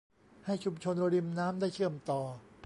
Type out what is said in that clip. ให้ชุมชนริมน้ำได้เชื่อมต่อ